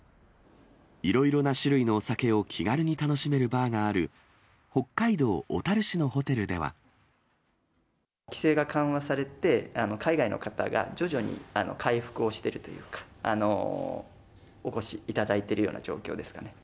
いろいろな種類のお酒を気軽に楽しめるバーがある、北海道小樽市規制が緩和されて、海外の方が徐々に回復をしているというか、お越しいただいてるよ